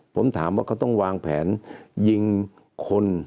ผมถามว่าเขาต้องวางแผนยิงคน